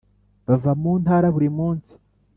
Bava mu ntara buri munsi.